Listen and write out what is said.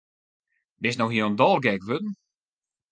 Bist no hielendal gek wurden?